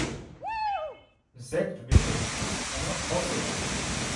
Exact measurements are not possible.